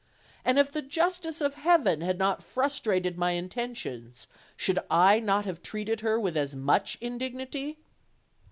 And if the justice of Heaven had not frustrated my intentions, should I not have treated her with as much indignity?"